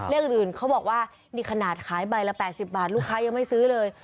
เลขอื่นเขาบอกว่านี่ขนาดขายใบละ๘๐บาทลูกค้ายังไม่ซื้อเลย